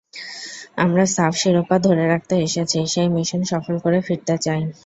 আমরা সাফ শিরোপা ধরে রাখতে এসেছি, সেই মিশন সফল করে ফিরতে চাই।